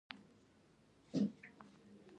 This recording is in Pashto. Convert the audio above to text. د ډېرو انرژیو سرچینه چې موږ ترې ګټه اخلو لمر دی.